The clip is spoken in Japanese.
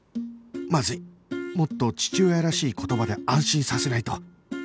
まずいもっと父親らしい言葉で安心させないと